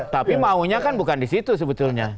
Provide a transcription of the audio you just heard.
tapi maunya kan bukan di situ sebetulnya